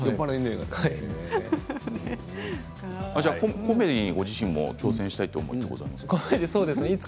コメディーにご自身も挑戦したいと思いますか？